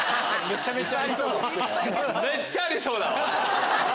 めっちゃありそうだわ！